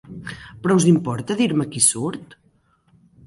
Però us importaria dir-me qui surt?